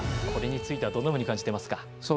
これについてはどんなふうに感じていますか。